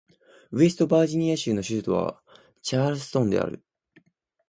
ウェストバージニア州の州都はチャールストンである